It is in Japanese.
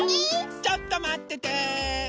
ちょっとまってて。